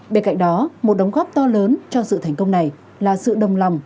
bên cạnh đó một đóng góp to lớn cho sự thành công này là sự đồng lòng